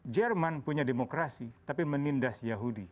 jerman punya demokrasi tapi menindas yahudi